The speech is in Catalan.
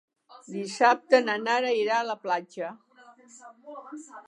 Dissabte na Nara irà a la platja.